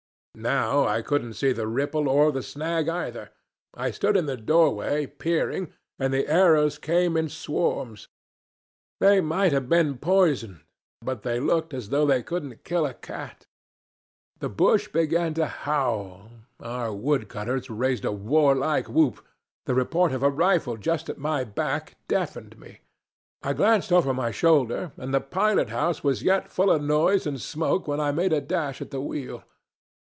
Now I couldn't see the ripple or the snag either. I stood in the doorway, peering, and the arrows came in swarms. They might have been poisoned, but they looked as though they wouldn't kill a cat. The bush began to howl. Our wood cutters raised a warlike whoop; the report of a rifle just at my back deafened me. I glanced over my shoulder, and the pilot house was yet full of noise and smoke when I made a dash at the wheel.